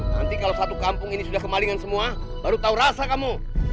nanti kalau satu kampung ini sudah kemalingan semua baru tahu rasa kamu